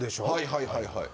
はいはいはい。